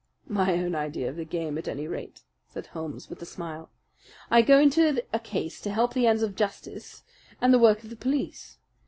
"My own idea of the game, at any rate," said Holmes, with a smile. "I go into a case to help the ends of justice and the work of the police.